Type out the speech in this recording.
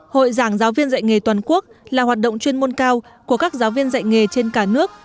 hội giảng giáo viên dạy nghề toàn quốc là hoạt động chuyên môn cao của các giáo viên dạy nghề trên cả nước